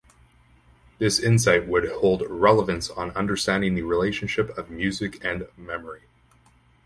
This insight would hold relevance on understanding the relationship of music and memory.